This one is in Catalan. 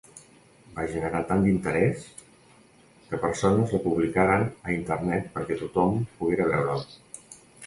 Va generar tant d'interès que persones la publicaren a Internet perquè tothom poguera veure'l.